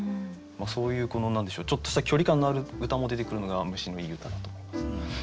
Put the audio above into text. そういうこのちょっとした距離感のある歌も出てくるのが虫のいい歌だと思います。